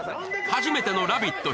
初めての「ラヴィット！」